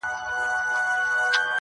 • اوښکه د باڼو پر سر تکیه یمه تویېږمه -